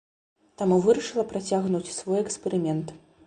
Таму вырашыла працягнуць свой эксперымент.